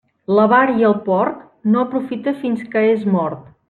L'avar i el porc, no aprofita fins que és mort.